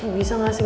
bisa gak sih